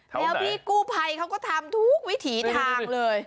แล้วพี่กู้ภัยเขาก็ทำทุกวิถีทางเลย